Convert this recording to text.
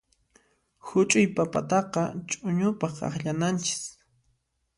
Huch'uy papataqa ch'uñupaq akllanchis.